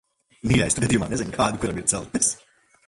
Mīļais, tu gadījumā nezini kādu, kuram ir celtnis?